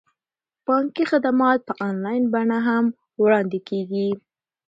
بانکي خدمات په انلاین بڼه هم وړاندې کیږي.